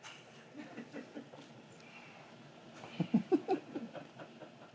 フフフフ。